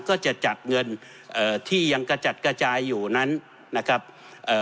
ก็จะจัดเงินเอ่อที่ยังกระจัดกระจายอยู่นั้นนะครับเอ่อ